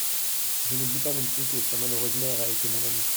Je n'oublie pas non plus que sa malheureuse mère a été mon amie.